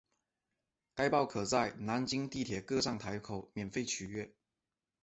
该报可在南京地铁各站台口免费取阅。